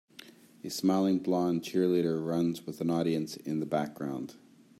A smiling blond cheerleader runs with an audience in the background.